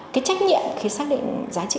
cái trách nhiệm khi xác định giá trị